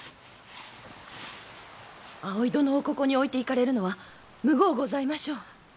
葵殿をここに置いていかれるのはむごうございましょう。